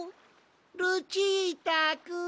ルチータくん。